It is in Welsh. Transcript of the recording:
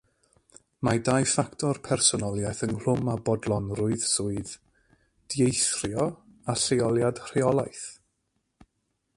Mae dau ffactor personoliaeth ynghlwm â bodlonrwydd swydd, dieithrio a lleoliad rheolaeth.